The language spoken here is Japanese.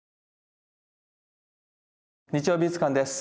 「日曜美術館」です。